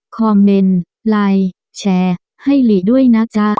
คอมเมนต์ไลน์แชร์ให้หลีด้วยนะจ๊ะ